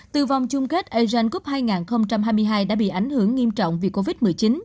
từ vòng chung kết asian cup hai nghìn hai mươi hai đã bị ảnh hưởng nghiêm trọng vì covid một mươi chín